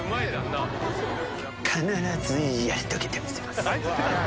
必ずやり遂げてみせます。